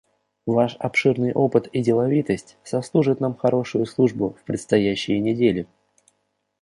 Ваш обширный опыт и деловитость сослужат нам хорошую службу в предстоящие недели.